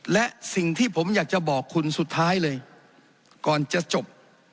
และสิ่งที่ผมอยากจะบอกคุณสุดท้ายเลยก่อนจะจบ